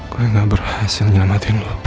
gue gak berhasil nyelamatin lo